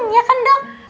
ya kan dok